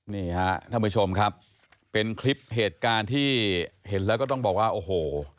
นี่ฮะท่านผู้ชมครับเป็นคลิปเหตุการณ์ที่เห็นแล้วก็ต้องบอกว่าโอ้โห